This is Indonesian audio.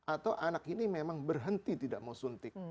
atau anak ini memang berhenti tidak mau suntik